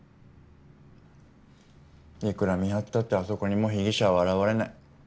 いくら見張ったってあそこにもう被疑者は現れない。